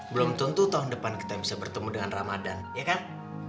belum tentu tahun depan kita bisa bertemu dengan ramadan ya kan